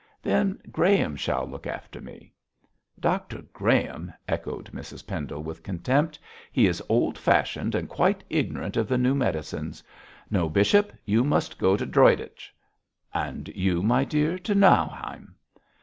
'Then Graham shall look after me.' 'Dr Graham!' echoed Mrs Pendle, with contempt. 'He is old fashioned, and quite ignorant of the new medicines. No, bishop, you must go to Droitwich.' 'And you, my dear, to Nauheim!'